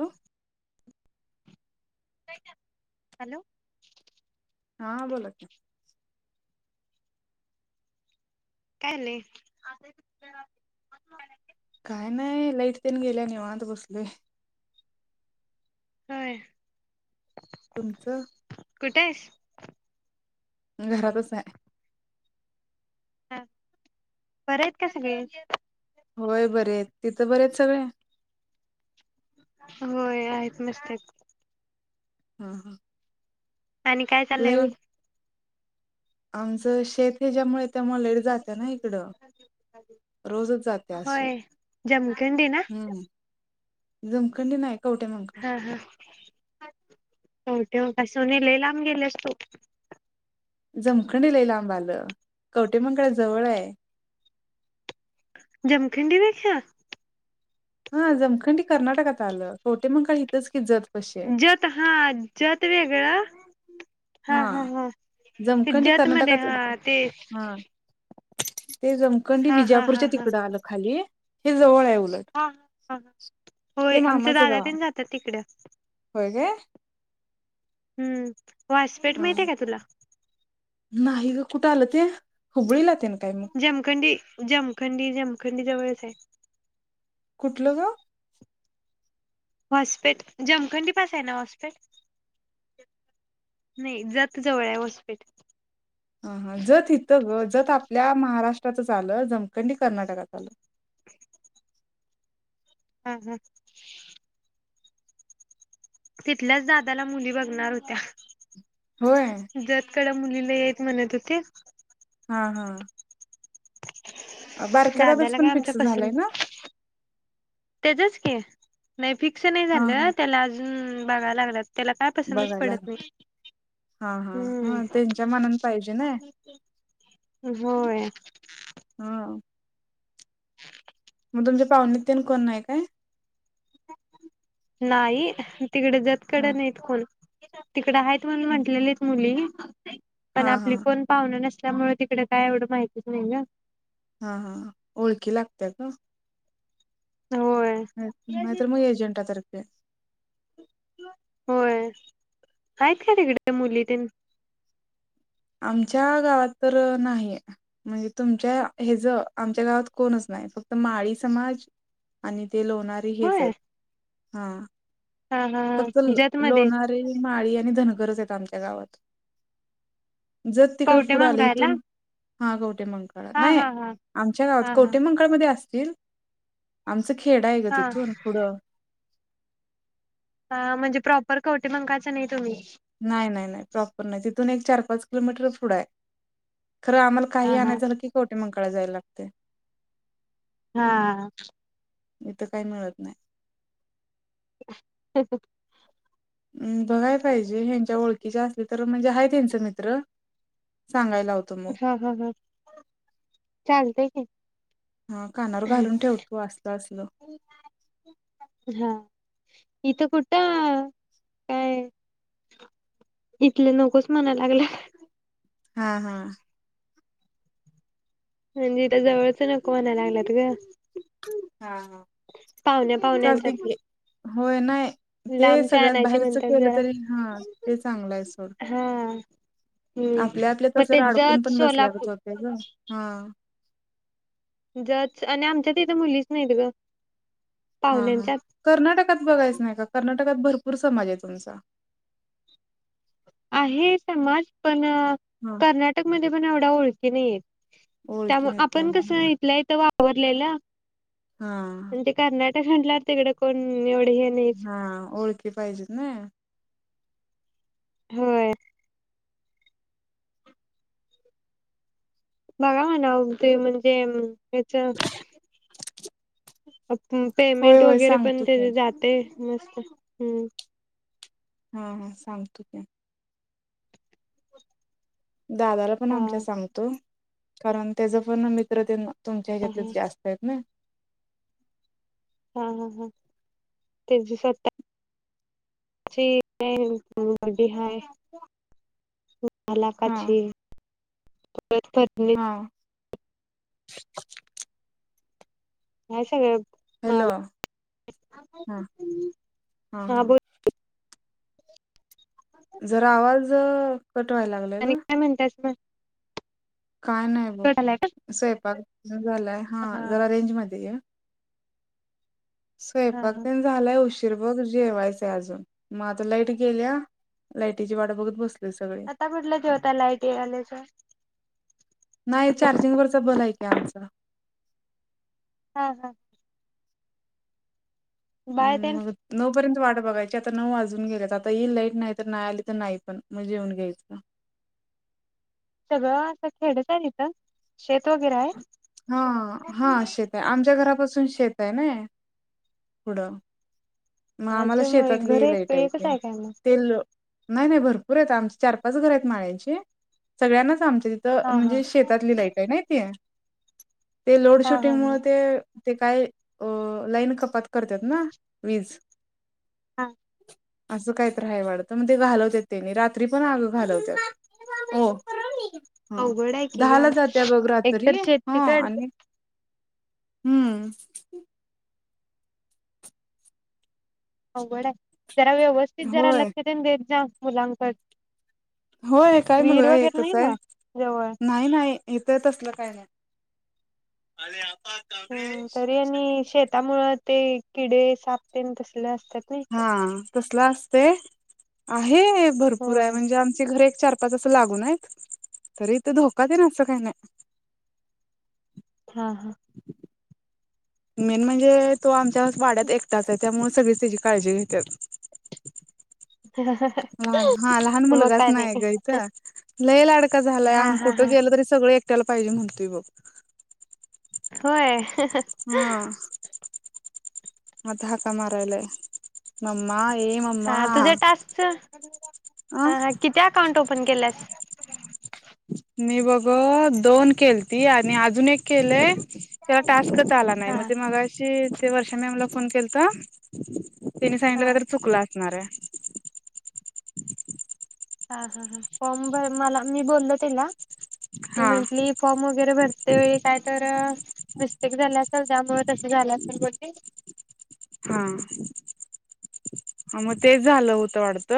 Hello hello हा बोला की काय नाही. काय नाही लाईट तेन गेल्या निवांत बसलोय. होय. तुमचं कुठे आहेस घरातच आहे. हा बरं आहेत का सगळे होय बरेआहेत. तिथं बरे आहेत सगळे? होय आहेत. मस्त आहेत. हम हम आणि काय चाललंय मग आमचं शेत हे ज्यामुळे रोजच जात्या अशी होय जमखंडी ना. जमखणीत नाही कवठेमहांकाळ हा हा कवठेमहांकाळ सोने लय लांब गेल्यास तू. जमखंणी लई लांब आलं कवटे महाकाळ जवळ आहे. जमखणी पेक्षा हा जमखनी कर्नाटकात आलं कवटे महाकाळ इथच की जवळ. जत हा जत होय. गळा. हा हा हा जमखंडी सिज्जत मध्ये कर्नाटकात येतं. हा ते हा ते जमखंडी हा हा हा विजापूरच्या हा तिकडं आलं खाली हे जवळ आहे. उलट हा ते होय आमचे मामाचं दादा गाव तेन जातात तीकडे होय काय हम्म वासपेठ हा माहितीय का तुला नाही ग कुठं आलं ते हुबळीला तेन काय मग जमखंडी जमखंडी जमं जमखंडी जवळच हाय कुठलं ग हॉस्पिट जमखंडी पास आहे ना हॉस्पिट. नाही जत जवळ आहे हॉस्पिट हा ह जत हित ग जत आपल्या महाराष्ट्रातच आलं जमखंडी कर्नाटकात आलं हम हम तिथल्याच दादाला मुली बघणार होत्या. होय. तिकड मुली लई हैत म्हणत होते. हा हा बारक्या दादाच दादाला पण काय आमच्या फिक्स झालंय पसंद ना तिथंच की नई फिक्स नाही हा हा झालं त्याला अजून बघाय लागल्यात- त्याला काय पसंतच बघायला पडत नाही. हा हा हा त्यांच्या मनान पाहिजे ना हम होय हा [unintelligible] मग तुमच्या पाहुण्यात तेन कोण नाय काय नाई. तिकडे जतकड हा नाहीत कोण [unintelligible] इकड हैत म्हणून म्हटलेलेत मुली पण हा हा आपली कोण पाहुण नस त्यामुळे तिकडं काय एवढं माहतीच नाही गं. हा हा ओळखी लागते का ग नाही होय तर मग एजंटा तर्फे [unintelligible] होय आहेत का तिकडे मुली ते आमच्या गावात तर नाही म्हणजे तुमच्या ह ज आमच्या गावात कोणच नाही फक्त माळी समाज आणि ते लोणारी हेच होय आहेत हा हा हा फक्त हा जतमध्ये लोणारी माळी आणि धनगरच येत आमच्या गावात जत तिकड कवटे पुढ मंग आले राहायला इथून हा कत कोटेमंकळ हा नाही हा हा आमच्या गावात हा हा कोटे मंकाळ मध्ये असत [inaudible] च खेड आहे ग हा तिथून पुढं. ह म्हणजे प्रॉपर कवठेमहाकांळ नाही तुम्ही नाही नाही नाही प्रॉपर नाही ती तिथून एक चार पाच किलोमीटरच पुढ आहे. खर आम्हाला काही हा हा आणायच की कवठेमहांकाळ आणाय जायला लागतय हा.. [inaudible] इथं काही मिळत नाही. [inaudible] हम् बघाय पाहिजे ह्यांच्या ओळखीच्या असली तर म्हणजे आहे त्यांच मित्र [inaudible] सांगायला होत मग हा हा चालतय की हा कानावर घालून ठेवतो असलं असलं हा इथं कुठं? काय? इथलं नकोच म्हणा लागलाय हा हा म्हणजे इथं जवळच नको म्हणायला लागलेत ग हा [unintelligible] पाहुण्या, चालते पाहुण्याच्यात की होय नाही, ते सगळ्यात बाहेरच म्हणतात केलं जरा तरी, हा ते चांगलं आहे सोड हा हम्म आपल्या, आपल्या तर मग ते जर अडकून जत पण बसल्याच सोलापूर होत्या ग हा. जच आणि आमच्यात इथ मुलीच नाहीत ग. हा हा पाहुण्यांच्यात कर्नाटकात बघायचं नाही का कर्नाटकात भरपूर भरपूर समाज आहे त्यांचा आहे.. समाज पण, [unintelligible] हा कर्नाटक मध्ये पण एवढा ओळखी क नाही [inaudible] त्या ओळखी नाही आपण त्यामुळे कसय. [unintelligible] लेला हा म्हणजे कर्ना म्हंटल तिकडे कोण नाही हा [inaudible] ओळखी पाहिजेत नाही होय बघा म्हनाव पेमेंट [unintelligible] यांच्यावर. अच्छ होय पेमेंट होय वगैरे पण सांगतो की ते जातय मस्त [unintelligible] हम्म. हा हा सांगतो की. दादाला पण आमच्या हा. सांगतो. कारण त्याचा पण मित्रतेना. तुमच्या हा हा ह्याच्यातले जास्त आहेत ना. हा हा हा फेसबुक असता. ते हाय. हा मालाकाची. यांच्यातली. हा [inaudible] या सगळ्या. हॅलो ह हा हा. जरा आवाज ज. कटवायला लागलंयगा. ब [inaudible] काय नाही भो स्वयंपाक झालाय हा जरा रेंज मध्ये ये. हा स्वयंपाक हा पण झालाय उशी बघ जेवायचं अजून मग आता लाईट गेल्या लाईटीची वाट बघत बसली. आता कुठल्या जेवता लाईट येआले शिवाय. हे आमच. हा हा. बाय ते हम्म मग पर्यंत वाट बघायची आता नऊ वाजून गेल्यात आता येईल लाईट नाही तर नाही आली तर नाही पण मग जेऊन घ्यायचं. सगळं असं खेडत आहे का शेत वगैरे आहे. हा हा शेत आहे आमच्या घरापासून शेत. त्या ना. पुढं. मग आम्हाला अच्छा घर शेतातली एक लाईट एकच येते आहे काय मग तेल नाही नाही भरपूर आहेत आमच. चार पाच घर आहेत माळ्यांची. सगळ्यांनाच आमच्या तिथ हा हा म्हणजे शेतातली लाईट आहे नाही ती ते लोड हा हा शेटिंग मुळ हा ते ते काय अ लाईन कपात करत्यात ना, वीज. हां. असं कायतर हाय वाटत म ते घालवत त्यांनी रात्री पण आग घालवत्यात. हा अवघड आहे की ग दहाला जातिया बघ रात्री एकतर ह शेतीकड आणि हम्म. आवगड हाय जरा व्यवस्थित जरा होय लक्ष तेन देत जा मुलांकड. होय काय विहीर मुलगा वगैरे नाही एकच हाय. ना जवळ नाही नाही इथ तसलं काय नाही. [inaudible] हम्म तरी आणि शेतामुळ ते किडे साप तेन तसल अस हा तसल आस ते आहे. हे भरपूर आहे. होय म्हणजे आमची घर एक चार पाच आस लागून आहीत तरी इथ धोका तेन असं काय नाय. हा हा. मेन म्हणजे तो आम च्याच वाड्यात एकटाच आहे तो. त्यामुळे सगळीच त्याची काळजी घेत्यात. लहान हा लहान मग मुलगाच काय नाही हाय ग इथ लय लाडका झालाय, अ हा हा कुठं हा गेल तरी सगळ त्याला पाहिजे म्हणतोय बघ होय? [inaudible] म आता हका मारायलाय. मम्मा ये हा मम्मा तुझ्या टास्कच अ किती अकाउंट ओपन केल्यास? मी बघ दोन केलती आणि अजून एक केलंय त्याला टास्कच आला नाही. हा मग ते मगाशी ते वर्षा न मला फोन केलता [inaudible] तिन सांगितल हा काय तर चुकलं असणार हाय. हा हा हा फॉम भर मला मी बोललो तीला ती हा म्हंटली फॉर्म वगैरे भरते वेळी काय तर मिस्टेक झाली असल त्यामुळे तस झाल असल. [inaudible] हा. हा मग तेच झालं होत वाढत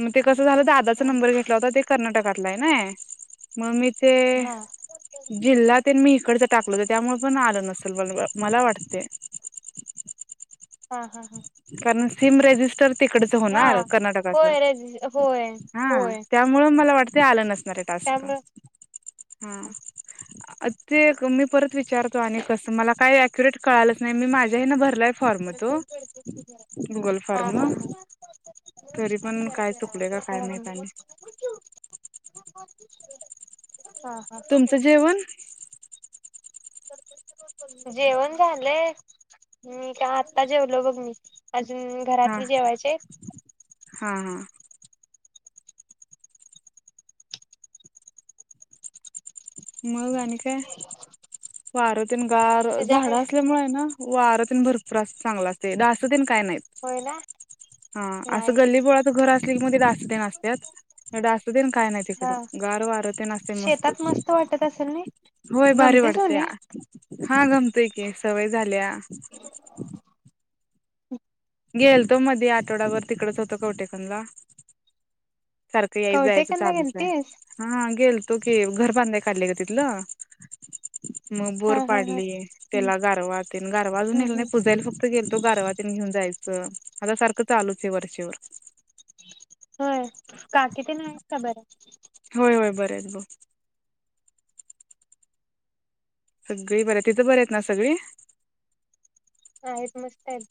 मग ते कसं झालं दादाचा हा नंबर घेतला होता. ते कर्नाटकातला आहे ना मग मी ते हा जिल्हा ते मी इकडच टाकलं हो त्यामुळे पण आलं नसल. मला वाटते. हा हा. कारण सिम रेजिस्टर तिकडच हा होणार कर्नाटकातलं. होय रजी होय हा. होय त्यामुळे मला वाटत ते आलं नसते न टास्क त्यामुळे ह. ते मी परत विचारतो आणि कसं मला काही अक्युरेट कळालंच नाही मी माझ्याही ना भरलाय फॉर्म तो. गुगल हा हा फॉर्म हा. तरी पण काय चुकले का काय माहित आणि हो. हा हा. तुमचं जेवण जेवण झालंय्. त्या आत्ता जेवलो बघ मी. अजून हा घरातली जेवायचे आहित. हा हा. मग आणि काय? वार न गार झाड तुझ्याकडे असल्यामुळे आहे ना? वार तेन भरपूर चांगला असतय, डास तेन काय नाहीत होय ना हा अस नाही गल्लीबोळा तर घर असले की मग डास तेन असत्यात. ए डास. सुधन काय नाही हा तिकडं गार वार ते ना असते मस्त शेतात वाटत असेल ना होय भारी गमते वाटते. सोने हा. गमतोय की सवय झाल्या. गेल तो मध्ये आठवड्याभर तिकडच होतो कवठे एकंदला. सारखं याचय कवटेकनला चालूच गेलतीस आहे हा गेल तो की घर बांध्या काडलय ग तितल. मग बोर हा हा हा पाडली, हम्म त्याला गारवातन गारवा हम्म अजूनला नाही हम्म प पुजाला फक्त गे तो गारवातून घेऊन जायचं, आता सारखं चालूच आहे वरचे वर. होय. काकी ते ना आहेत का बरं? होय होय बरेत. हलो. सगळी बर आहे. तिथं बर आहेत ना सगळी? हायत मस्तायत.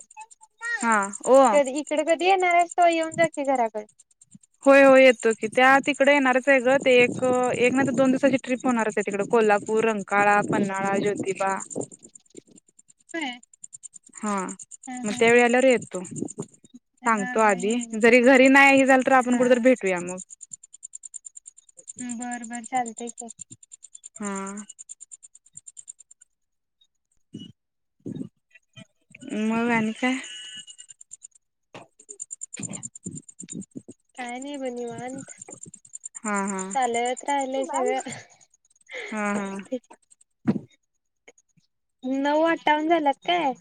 हा ओ कधी इकड कधी येणार आहेस तो येऊन जा कि घराकडे. होय होय येतो की त्या तिकडे येणारच आहे ग ते एक एक ना तर दोन दिवसाची ट्रिप होणारच आहे तिकड कोल्हापूर रंकाळा पन््हाळा ज्योतिबा ह. हा. मग त्यावेळी आल्यावर येतो हा सांगतो हा आधी येईन येईन जरी घरी नाही हे झाल तर आपण कुठ तररी भेटूया मग. बरं बर चालतय. ते हा. मग आणि काय? ह [inaudible] काय नाही बाई निवांत. हम् चालत राहिलय हम सगळं हम्म हम्. नऊ आठावन झालात काय?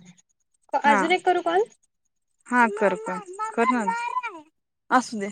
हा अजून एक करू काल? हा कर कर कर न असू दे.